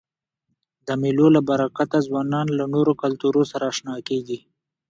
د مېلو له برکته ځوانان له نورو کلتورو سره اشنا کيږي.